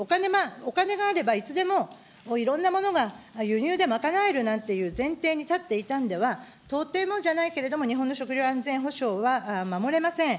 お金があれば、いつでもいろんなものが輸入でまかなえるなんていう前提に立っていたんでは、とてもじゃないけれども、日本の食料安全保障は守れません。